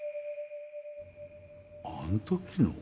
あん時の？